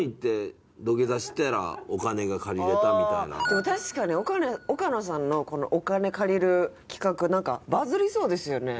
でも確かに岡野さんのこのお金借りる企画なんかバズりそうですよね。